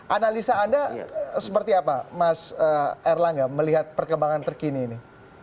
analisa anda seperti apa mas erlangga melihat perkembangan terkini ini